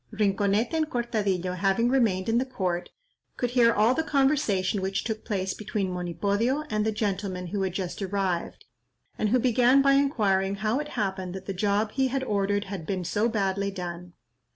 Rinconete and Cortadillo having remained in the court, could hear all the conversation which took place between Monipodio and the gentleman who had just arrived, and who began by inquiring how it happened that the job he had ordered had been so badly done.